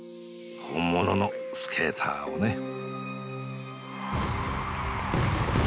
本物のスケーターをね。